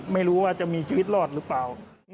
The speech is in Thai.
ไม่รู้ว่าจะมีชีวิตรอดหรือเปล่า